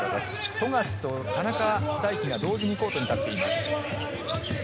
富樫、田中大貴が同時にコートに立っています。